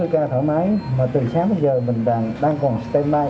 bảy mươi ca thở máy mà từ sáng tới giờ mình đang còn stand by